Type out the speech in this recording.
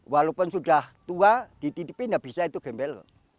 walaupun sudah tua dititipi enggak bisa itu gembel